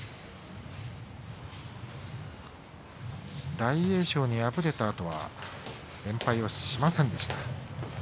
大栄翔に敗れたあとは連敗をしませんでした。